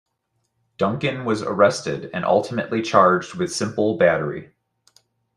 Duncan was arrested and ultimately charged with simple battery.